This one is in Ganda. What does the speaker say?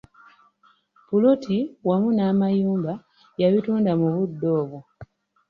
Puloti wamu n'amayumba yabituunda mu budde obwo.